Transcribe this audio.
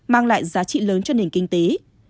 mang lại giá trị lớn cho nền kinh tế